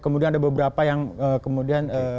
kemudian ada beberapa yang kemudian